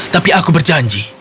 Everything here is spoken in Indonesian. tapi aku berjanji